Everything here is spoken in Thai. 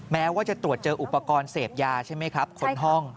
แม้ว่าจะตรวจเจออุปกรณ์เสพยาใช่ไหมครับคนห้อง